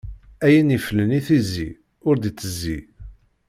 Ayen iflen i tizi, ur d-itezzi.